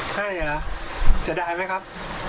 ให้มั้ยยะเสียดายมั้ยครับ